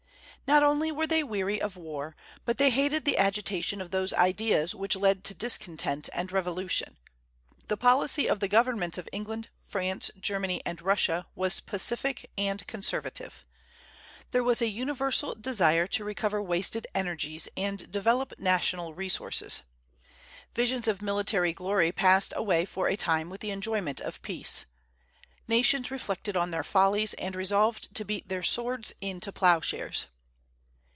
Not only were they weary of war, but they hated the agitation of those ideas which led to discontent and revolution. The policy of the governments of England, France, Germany, and Russia was pacific and conservative. There was a universal desire to recover wasted energies and develop national resources. Visions of military glory passed away for a time with the enjoyment of peace. Nations reflected on their follies, and resolved to beat their swords into ploughshares.